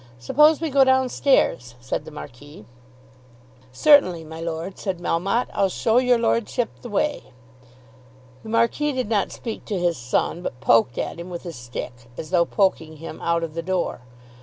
"Suppose we go down stairs," said the Marquis. "Certainly, my lord," said Melmotte. "I'll show your lordship the way." The Marquis did not speak to his son, but poked at him with his stick, as though poking him out of the door.